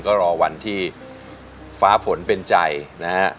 ก็รอวันที่ฟ้าฝนเป็นใจนะฮะ